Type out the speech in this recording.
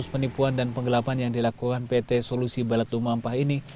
kasus penipuan dan penggelapan yang dilakukan pt solusi balat lumampah ini